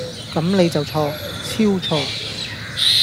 咁你就錯，超錯